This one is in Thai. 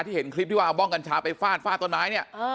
เห็นคลิปที่ว่าเอาบ้องกัญชาไปฟาดฟาดต้นไม้เนี่ย